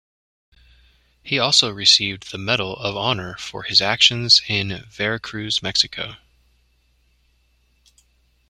He also received the Medal of Honor for his actions in Veracruz, Mexico.